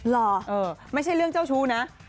เหรอไม่ใช่เรื่องเจ้าชู้นะ